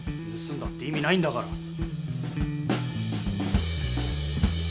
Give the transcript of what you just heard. ぬすんだって意味ないんだから。